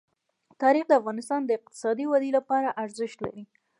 تاریخ د افغانستان د اقتصادي ودې لپاره ارزښت لري.